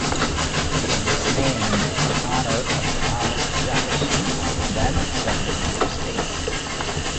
It was named in honor of Thomas Jefferson, then Secretary of State.